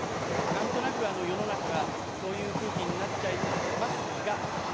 何となく世の中がそういう空気になっちゃいますが。